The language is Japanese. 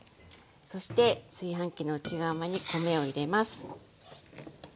そして炊飯器の内釜に米を入れます。